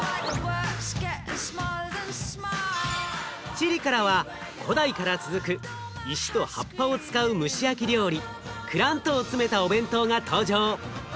チリからは古代から続く石と葉っぱを使う蒸し焼き料理クラントを詰めたお弁当が登場。